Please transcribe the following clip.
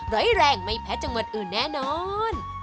แรงไม่แพ้จังหวัดอื่นแน่นอน